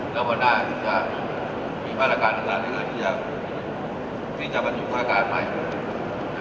แล้ววันหน้าจะมีบรรณาการอาจารย์ที่จะปฏิบัติภาคการใหม่